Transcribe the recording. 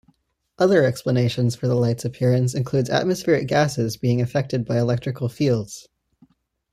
Other explanations for the light's appearance includes atmospheric gases being affected by electrical fields.